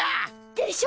でしょ？